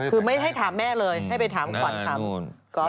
คือไม่ให้ถามแม่เลยให้ไปถามขวัญถาม